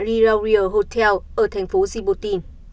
liraria hotel ở thành phố djibouti